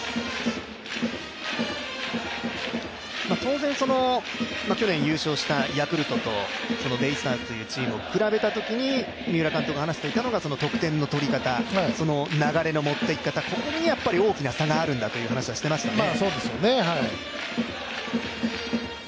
当然、去年優勝したヤクルトとそのベイスターズというチームを比べたときに三浦監督が話していたのは、得点の取り方、流れの持っていき方、ここに大きな差があるんだという話をしていましたね。